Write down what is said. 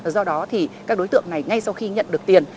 do đó thì các đối tượng này ngay sau khi nhận được tiền